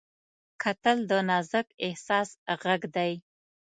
کتل د نازک احساس غږ دی